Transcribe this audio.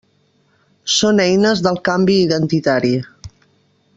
Són eines del canvi identitari.